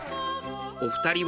お二人は